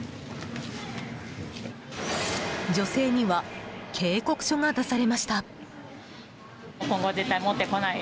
女性には警告書が出されました。